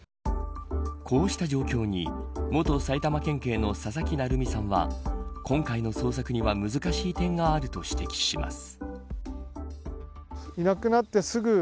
こうした状況に元埼玉県警の佐々木成三さんは今回の捜索には難しい点があると指摘します。